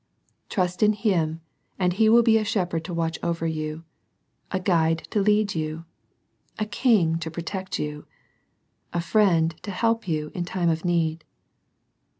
Trust in Him, and He will be a Shepherd to watch over you, a Guide to lead you, a King to protect you, a Friend to help you in time of need.